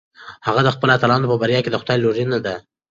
هغه د خپلو اتلانو په بریا کې د خدای لورینه لیده.